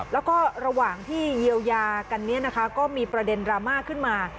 แล้วก็ระหว่างที่เยียวยากันนี้นะคะก็มีประเด็นดราม่าขึ้นมา